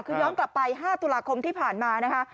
คือย้อนกลับไป๕ตุลาคมที่ผ่านมานะคะ